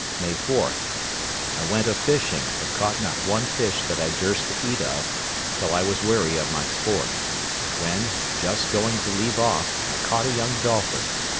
May 4.—I went a fishing, but caught not one fish that I durst eat of, till I was weary of my sport; when, just going to leave off, I caught a young dolphin.